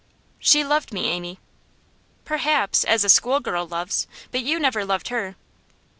'She loved me, Amy.' 'Perhaps! as a school girl loves. But you never loved her.